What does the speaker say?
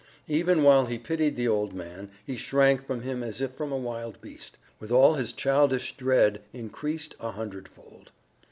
Even while he pitied the old man, he shrank from him as if from a wild beast, with all his childish dread increased a hundredfold.